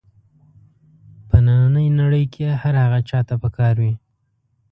په نننۍ نړۍ کې هر هغه چا ته په کار وي.